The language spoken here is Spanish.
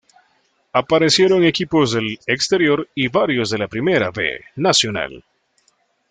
Aparecieron equipos del exterior y varios de la Primera B Nacional.